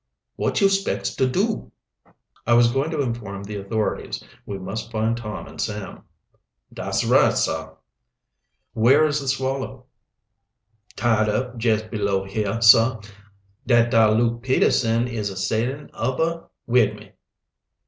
"Wot you spects to do?" "I was going to inform the authorities. We must find Tom and Sam." "Dat's right, sah." "Where is the Swallow?" "Tied up jest below heah, sah. Dat dar Luke Peterson is a sailin' ob her wid me."